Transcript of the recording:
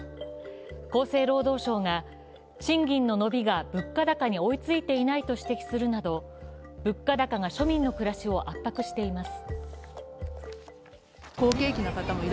厚生労働省が賃金の伸びが物価高に追いついていないと指摘するなど物価高が庶民の暮らしを圧迫しています。